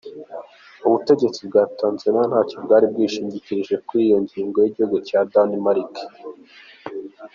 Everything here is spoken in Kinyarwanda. Ubutegetsi bwa Tanzaniya ntaco bwari bwashikirize kuri iyo ngingo y'igihugu ca Danemark.